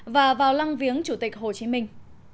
và vào lăng viếng chủ tịch hồ chí minh